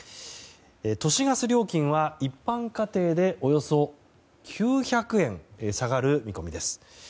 都市ガス料金は一般家庭でおよそ９００円下がる見込みです。